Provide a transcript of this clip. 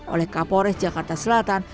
oleh kapolres jakarta selatan